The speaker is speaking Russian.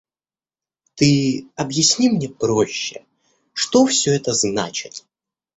– Ты объясни мне проще: что все это значит?